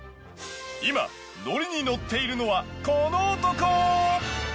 今ノリにノッているのはこの男！